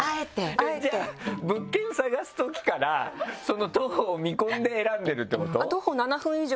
じゃあ物件探すときからその徒歩を見込んで選んでるってこと？